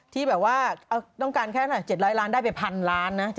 ที่แบบว่าต้องการแค่เจ็ดร้อยล้านได้ไปพันล้านนะ